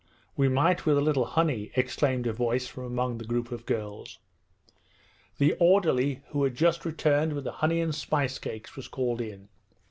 'We might with a little honey,' exclaimed a voice from among the group of girls. The orderly, who had just returned with the honey and spice cakes, was called in.